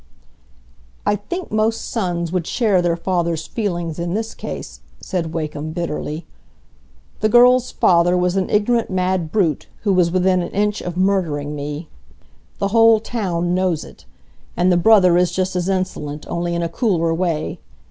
"I think most sons would share their father's feelings in this case," said Wakem, bitterly. "The girl's father was an ignorant mad brute, who was within an inch of murdering me. The whole town knows it. And the brother is just as insolent, only in a cooler way.